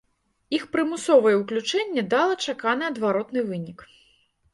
Іх прымусовае ўключэнне дала чаканы адваротны вынік.